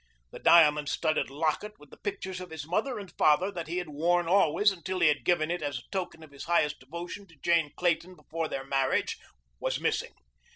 The diamond studded locket with the pictures of his mother and father that he had worn always until he had given it as a token of his highest devotion to Jane Clayton before their marriage was missing.